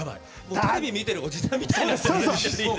テレビ見てるおじさんみたい。